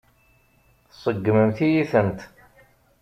Tseggmemt-iyi-tent.